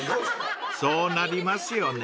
［そうなりますよね］